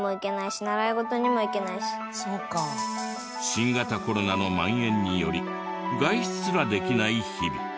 新型コロナの蔓延により外出すらできない日々。